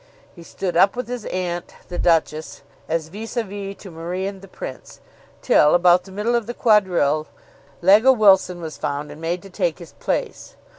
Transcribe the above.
He stood up with his aunt, the Duchess, as vis a vis to Marie and the Prince, till, about the middle of the quadrille, Legge Wilson was found and made to take his place.